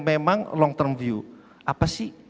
memang long term view apa sih